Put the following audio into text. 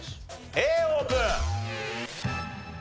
Ａオープン！